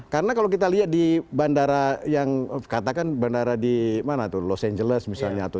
karena kalau kita lihat di bandara yang katakan bandara di mana tuh los angeles misalnya